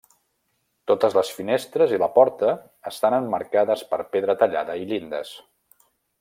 Totes les finestres i la porta estan emmarcades per pedra tallada i llindes.